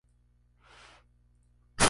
Algo monstruoso y enorme.